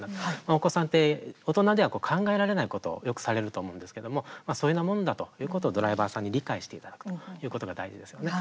お子さんって大人では考えられないことをよくされると思うんですけどもそういうもんだということをドライバーさんに、理解していただくことが大事ですね。